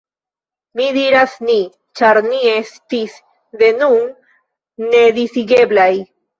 Mi diras «ni», ĉar ni estis, de nun, nedisigeblaj.